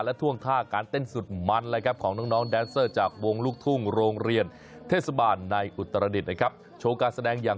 และท่วงท่าการเต้นสุดมันเลยครับของน้องแดนเซอร์จากวงลูกทุ่งโรงเรียน